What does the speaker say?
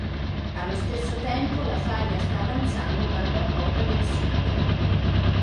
Allo stesso tempo, la faglia sta avanzando dal Dakota del Sud.